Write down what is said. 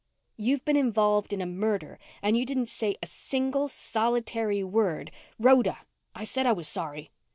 "You've been involved in a murder and you didn't say a single, solitary word " "Rhoda! I said I was sorry."